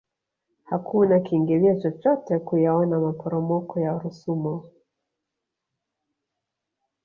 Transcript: hakuna kiingilio chochote kuyaona maporomoko ya rusumo